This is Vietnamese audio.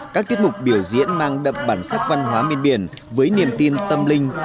các tiết mục biểu diễn mang đậm bản sắc văn hóa bên biển với niềm tin tâm linh